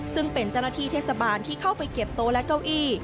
ซึ่งเป็นเจ้าหน้าที่เทศบาลที่เข้าไปเก็บโต๊ะและเก้าอี้